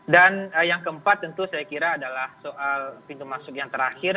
dan yang keempat tentu saya kira adalah soal pintu masuk yang terakhir